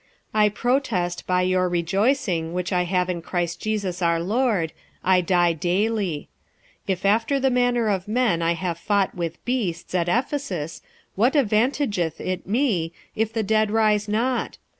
46:015:031 I protest by your rejoicing which I have in Christ Jesus our Lord, I die daily. 46:015:032 If after the manner of men I have fought with beasts at Ephesus, what advantageth it me, if the dead rise not?